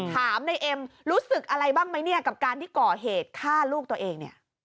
ถามในเอ็มรู้สึกอะไรบ้างไหมเนี่ยกับการที่ก่อเหตุฆ่าลูกตัวเองเนี่ย